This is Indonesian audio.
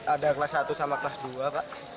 ada kelas satu sama kelas dua pak